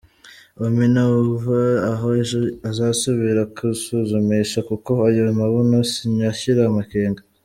Ommy nuva aho ejo uzasubire kwisuzumisha, kuko ayo mabuno sinyashira amakenga